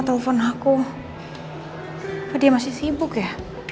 telepon aku dia masih sibuk ya